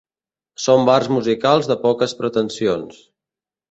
Són bars musicals de poques pretensions.